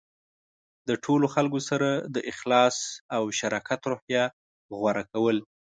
د ټولو خلکو سره د اخلاص او شراکت روحیه غوره کول.